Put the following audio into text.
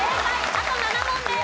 あと７問です。